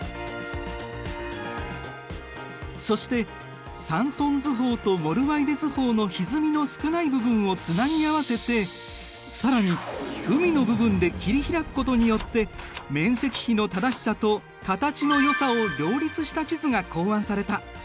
そしてサンソン図法とモルワイデ図法のひずみの少ない部分をつなぎ合わせて更に海の部分で切り開くことによって面積比の正しさと形のよさを両立した地図が考案された。